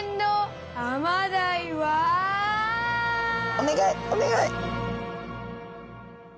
お願いお願い！